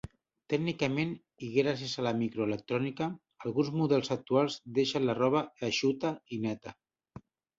Tècnicament, i gràcies a la microelectrònica, alguns models actuals deixen la roba eixuta i neta.